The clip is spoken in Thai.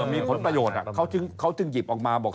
มีผลประโยชน์เขาจึงหยิบออกมาบอก